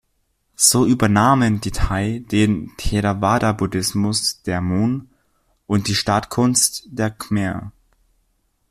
So übernahmen die Thai den Theravada-Buddhismus der Mon und die Staatskunst der Khmer.